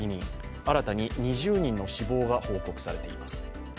新たに２０人の死亡が報告されています。